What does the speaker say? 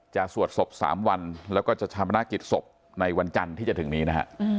สวดศพ๓วันแล้วก็จะชามนากิจศพในวันจันทร์ที่จะถึงนี้นะฮะ